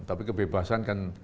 tapi kebebasan kan